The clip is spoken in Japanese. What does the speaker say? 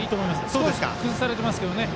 少し崩されてますけど。